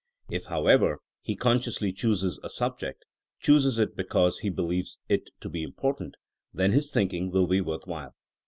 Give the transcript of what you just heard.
If however he consciously chooses a subject — chooses it be cause he believes it to be important — then his thinking will be worth while.